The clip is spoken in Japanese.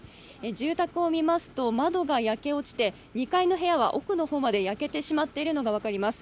住宅を見ますと、窓が焼け落ちて２階の部屋は奥の方まで焼けてしまっているのが分かります。